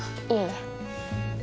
いえいえ。